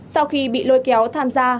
sau khi bị lôi kéo tham gia